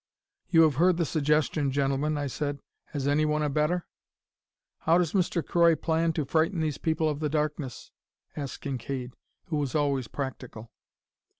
"You have heard the suggestion, gentlemen," I said. "Has anyone a better?" "How does Mr. Croy plan to frighten these people of the darkness?" asked Kincaide, who was always practical.